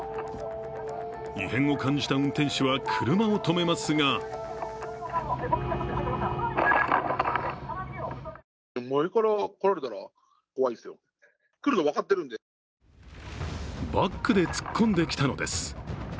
異変を感じた運転手は車を止めますがバックで突っ込んできたのです。